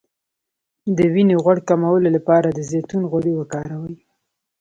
د وینې غوړ کمولو لپاره د زیتون غوړي وکاروئ